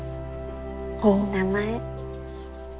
いい名前。